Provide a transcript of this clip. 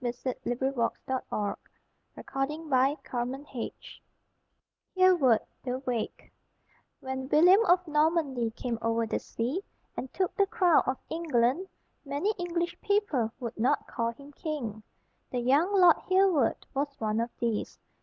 [Illustration: THE ENGLISH PRISONERS AT ROME] =Hereward the Wake= When William of Normandy came over the sea, and took the crown of England, many English people would not call him king. The young lord Hereward was one of these.